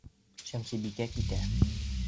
Шәмсебикә китә.